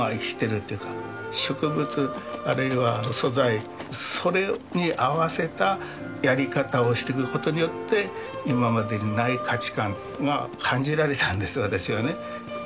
植物あるいは素材それに合わせたやり方をしていくことによって今までにない価値観が感じられたんです私はね。